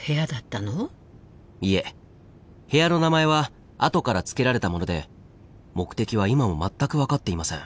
いえ部屋の名前は後から付けられたもので目的は今も全く分かっていません。